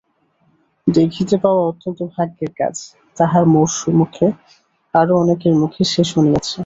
দেখিতে পাওয়া অত্যন্ত ভাগ্যের কাজ-তাহার মোর মুখে, আরও অনেকের মুখে সে শুনিয়াছে।